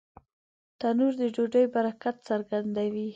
تنور د ډوډۍ برکت څرګندوي